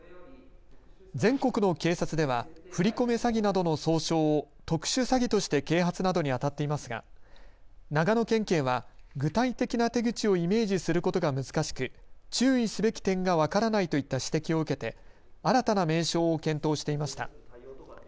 全国の警察では振り込め詐欺などの総称を特殊詐欺として啓発などにあたっていますが長野県警は具体的な手口をイメージすることが難しく注意すべき点が分からないといった指摘を受けて新たな名称を検討していました。